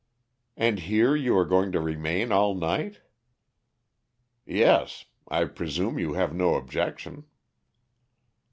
"And here you are going to remain all night?" "Yes. I presume you have no objection."